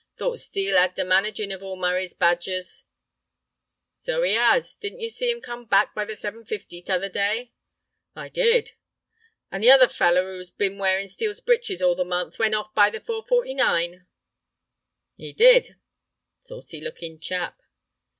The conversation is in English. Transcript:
"Thought Steel 'ad the managin' of all Murray's badgers." "So 'e 'as. Didn't yer see 'im come back by the 7.50 t'other day?" "I did." "An' the other feller who's bin wearin' Steel's breeches all the month—went off by the 4.49." "'E did." "Saucy lookin' chap."